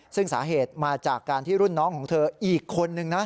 ซึ่งสาเหตุมาจากการที่รุ่นน้องของเธออีกคนนึงนะ